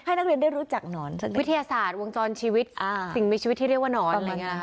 ให้นักเรียนได้รู้จักหนอนวิทยาศาสตร์วงจรชีวิตสิ่งมีชีวิตที่เรียกว่าหนอน